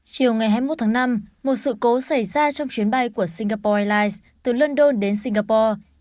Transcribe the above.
chiều ngày hai mươi một tháng năm một sự cố xảy ra trong chuyến bay của singapore airlines từ london đến singapore